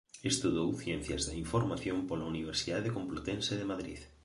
Estudou Ciencias da Información pola Universidade Complutense de Madrid.